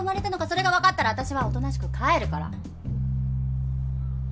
それがわかったら私はおとなしく帰るから。